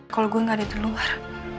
kalau gue gak ada di luar